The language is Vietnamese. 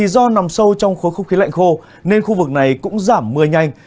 do nằm sâu trong khối không khí lạnh khô nên khu vực này cũng giảm mưa nhanh